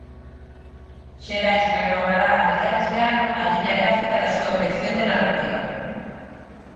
Xerais renovará a mediados de ano a liña gráfica da súa colección de narrativa.